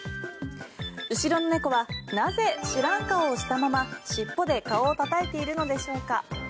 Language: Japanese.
後ろの猫はなぜ、知らん顔をしたまま尻尾で顔をたたいているのでしょうか。